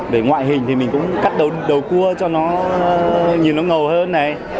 về ngoại hình thì mình cũng cắt đầu cua cho nó nhìn nó ngầu hơn này